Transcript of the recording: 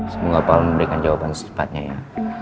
semoga pak memberikan jawaban secepatnya ya